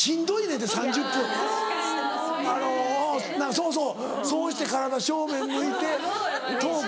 そうそうそうして体正面向いてトーク。